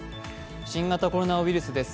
新型コロナウイルスです。